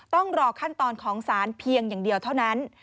ต้องรอขั้นตอนของสารเพียงอย่างเดียวเท่านั้น